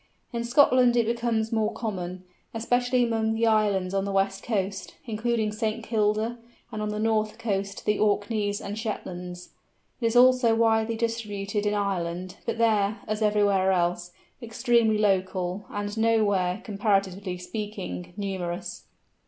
In Scotland it becomes more common, especially among the islands of the west coast, including St. Kilda, and on the north coast to the Orkneys and Shetlands. It is also widely distributed in Ireland, but there, as everywhere else, extremely local, and nowhere, comparatively speaking, numerous.